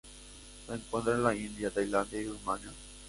Se encuentra en la India, Tailandia y Birmania.